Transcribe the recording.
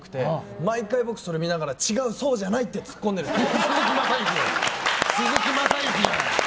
毎回僕それ見ながら違う、そうじゃない！って鈴木雅之の。